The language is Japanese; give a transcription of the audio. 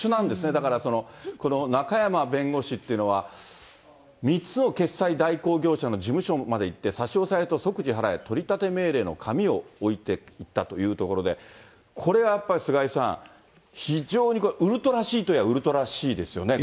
だからその、中山弁護士っていうのは、３つの決済代行業者の事務所まで行って、差し押さえと即時払えという取り立て命令の紙を置いてきたというところで、これはやっぱり、菅井さん、非常にウルトラＣといえば、ウルトラＣですよね。